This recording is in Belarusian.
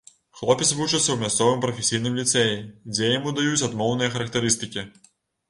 Хлопец вучыцца ў мясцовым прафесійным ліцэі, дзе яму даюць адмоўныя характарыстыкі.